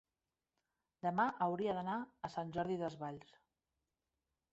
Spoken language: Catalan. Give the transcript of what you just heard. demà hauria d'anar a Sant Jordi Desvalls.